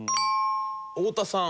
太田さん。